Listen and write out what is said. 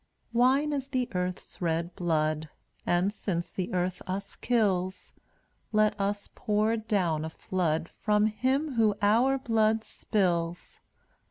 182 Wine is the earth's red blood, And since the earth us kills, Let us pour down a flood From him who our blood spills.